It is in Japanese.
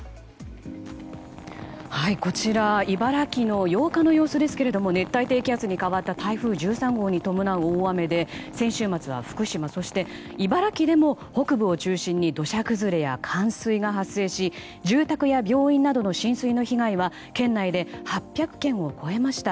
こちら茨城の８日の様子ですが熱帯低気圧に変わった台風１３号に伴う大雨で先週末は福島、そして茨城でも北部を中心に土砂崩れや冠水が発生し住宅や病院などの浸水の被害は県内で８００件を超えました。